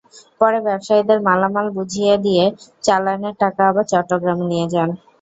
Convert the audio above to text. পরে ব্যবসায়ীদের মালামাল বুঝিয়ে দিয়ে চালানের টাকা আবার চট্টগ্রামে নিয়ে যান।